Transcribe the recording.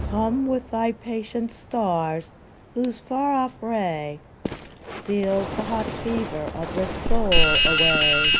Come with thy patient stars, whose far off ray Steals the hot fever of the soul away.